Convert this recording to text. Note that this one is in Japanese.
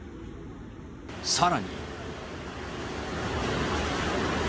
さらに。